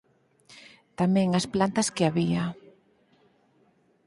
tamén as plantas que había.